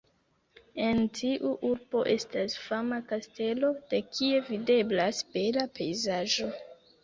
En tiu urbo estas fama kastelo de kie videblas bela pejzaĝo.